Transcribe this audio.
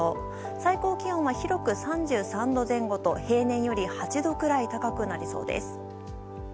最高気温は広く３３度前後と平年より８度くらい高くなりそうです。